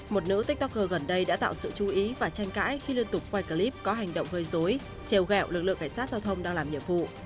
một nữ tiktoker gần đây đã tạo sự chú ý và tranh cãi khi liên tục quay clip có hành động gây dối trèo gẹo lực lượng cảnh sát giao thông đang làm nhiệm vụ